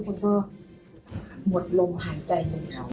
พ่ออย่างที่ท่านก็หมดลมหายใจอยู่